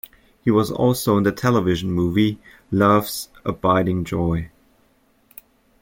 He was also in the television movie, "Love's Abiding Joy".